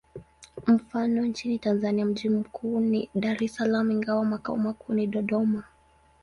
Mfano: nchini Tanzania mji mkubwa ni Dar es Salaam, ingawa makao makuu ni Dodoma.